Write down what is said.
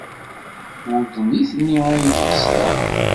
Ur d nitni ay d-qesdeɣ.